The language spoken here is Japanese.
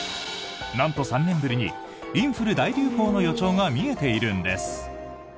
なんと、３年ぶりにインフル大流行の予兆が見えているんです。